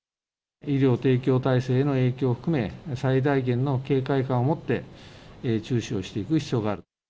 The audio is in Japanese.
医療提供体制への影響を含め、最大限の警戒感を持って、注視をしていく必要がある。